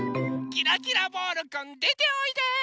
キラキラボールくんでておいで！